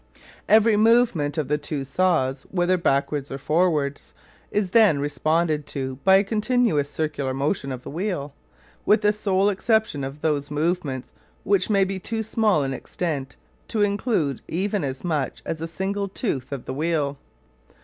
Every movement of the two saws whether backwards or forwards is then responded to by a continuous circular motion of the wheel, with the sole exception of those movements which may be too small in extent to include even as much as a single tooth of the wheel.